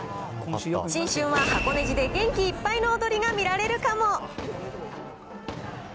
新春は箱根路で元気いっぱいの踊りが見られるかも。